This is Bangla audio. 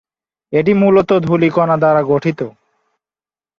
এটি মূলত ধূলিকণা দ্বারা গঠিত।